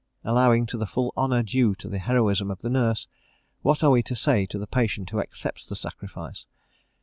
Allowing to the full the honour due to the heroism of the nurse, what are we to say to the patient who accepts the sacrifice?